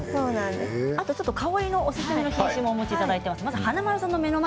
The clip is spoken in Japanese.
香りがおすすめの品種をお持ちいただいています。